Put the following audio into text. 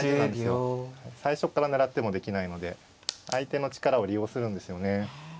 最初から狙ってもできないので相手の力を利用するんですよね。